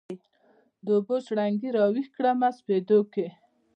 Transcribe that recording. د اوبو شرنګي راویښ کړمه سپېدو کښي